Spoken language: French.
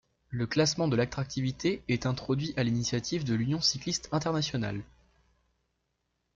Le classement de l'attractivité est un introduit à l'initiative de l'Union cycliste internationale.